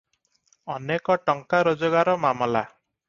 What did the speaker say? ଅନେକ ଟଙ୍କା ରୋଜଗାର ମାମଲା ।